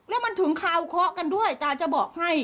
แล้วมันถึงคาวเคาะกันด้วยตาจะบอกให้